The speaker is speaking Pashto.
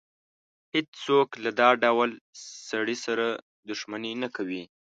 هېڅ څوک له دا ډول سړي سره دښمني نه کوي.